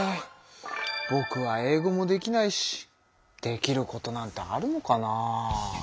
ぼくは英語もできないしできることなんてあるのかな。